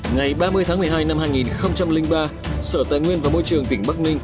ngày ba mươi tháng một mươi hai năm hai nghìn ba sở tài nguyên và môi trường tỉnh bắc ninh